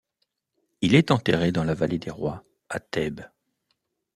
Il est enterré dans la vallée des Rois, à Thèbes.